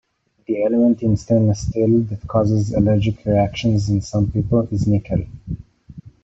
The element in stainless steel that causes allergic reactions in some people is nickel.